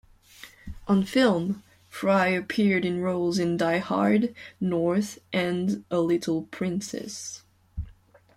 On film, Fry appeared in roles in "Die Hard", "North", and "A Little Princess".